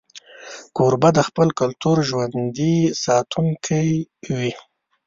کوربه د خپل کلتور ژوندي ساتونکی وي.